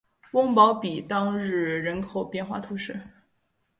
翁堡比当日人口变化图示